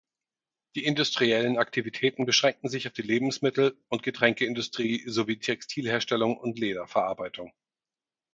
Die industriellen Aktivitäten beschränken sich auf die Lebensmittel- und Getränkeindustrie sowie Textilherstellung und Lederverarbeitung.